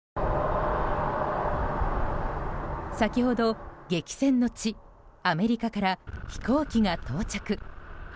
先ほど、激戦の地アメリカから飛行機が到着。